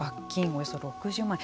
およそ６０万円。